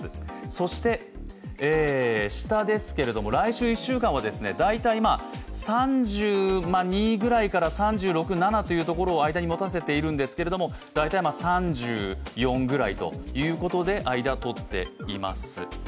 そして下ですけど来週１週間は大体３２３６、３７と間に持たせているんですけれども、大体３４ぐらいということで間を取っています。